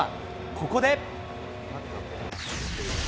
ここで。